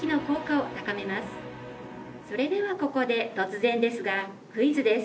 それではここで突然ですがクイズです。